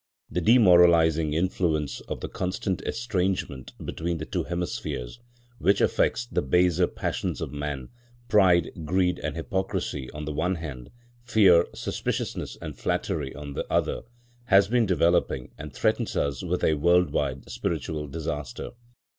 The demoralising influence of the constant estrangement between the two hemispheres, which affects the baser passions of man,—pride, greed and hypocrisy on the one hand; fear, suspiciousness and flattery on the other,—has been developing, and threatens us with a world wide spiritual disaster.